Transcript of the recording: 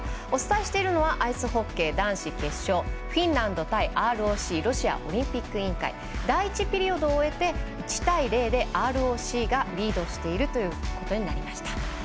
お伝えしているのはアイスホッケー男子決勝フィンランド対ＲＯＣ＝ロシアオリンピック委員会第１ピリオドを終えて１対０で、ＲＯＣがリードしているということになりました。